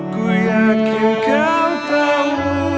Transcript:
ku yakin kau tahu